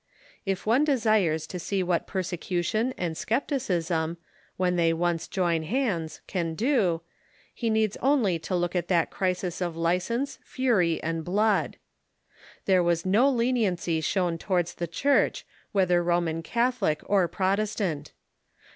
If one desires to see what persecution and scepticism, when they once join hands, can do, he needs only to look at that crisis of license, fury, and blood. There was no leniency shown towards the Church, whether Roman Catholic or Protestant.